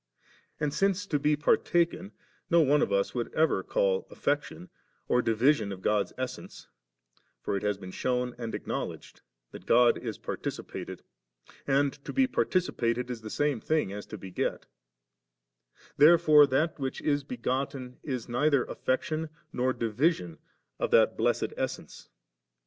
And since to be partaken no one of us would ever call afifection or divi sion of God's essence (for it has been shewn and acknowledged that God b participated, and to be participated is the same thing as to beget); therefore that which is begotten is neither afifection nor division of that blessed essence.